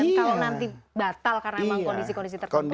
kalau nanti batal karena memang kondisi tertentu